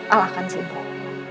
al akan sembuh